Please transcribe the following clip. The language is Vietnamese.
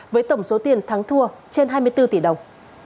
với tổng số tiền thắng thua trên hai mươi bốn tỷ đồng